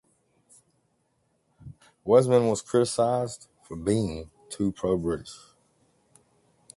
Weizmann was criticized for being too pro-British.